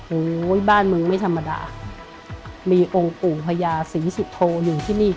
โอ้โหบ้านมึงไม่ธรรมดามีองค์ปู่พญาศรีสุโธหนึ่งที่นี่